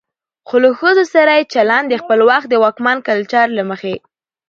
خو له ښځو سره يې چلن د خپل وخت د واکمن کلچر له مخې